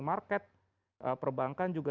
market perbankan juga